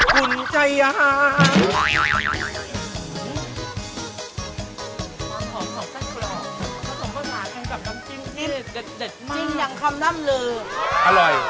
คนช่วยทั้งตลาดเลย